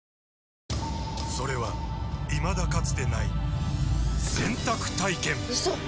それはいまだかつてない洗濯体験‼うそっ！